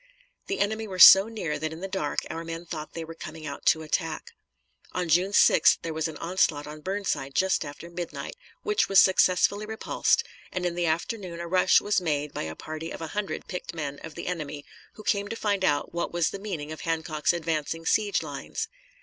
The enemy were so near that in the dark our men thought they were coming out to attack. On June 6th there was an onslaught on Burnside just after midnight, which was successfully repulsed, and in the afternoon a rush was made by a party of a hundred picked men of the enemy, who came to find out what was the meaning of Hancock's advancing siege lines.